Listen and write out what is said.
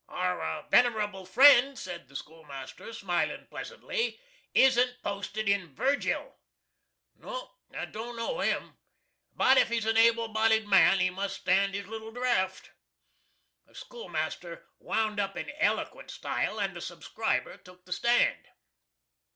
"Our venerable friend," said the schoolmaster, smilin' pleasantly, "isn't posted in Virgil." "No, I don't know him. But if he's a able bodied man he must stand his little draft." The schoolmaster wound up in eloquent style, and the subscriber took the stand.